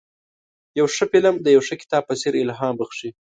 یو ښه فلم د یو ښه کتاب په څېر الهام بخښي.